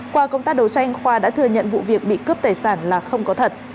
qua công tác đấu tranh khoa đã thừa nhận vụ việc bị cướp tài sản là không có thật